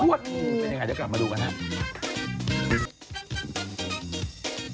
กวดงูเป็นอย่างไรจะกลับมาดูกันครับ